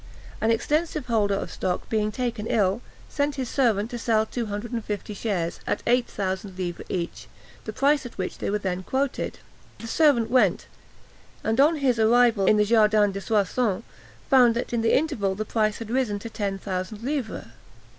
An extensive holder of stock, being taken ill, sent his servant to sell two hundred and fifty shares, at eight thousand livres each, the price at which they were then quoted. The servant went, and, on his arrival in the Jardin de Soissons, found that in the interval the price had risen to ten thousand livres.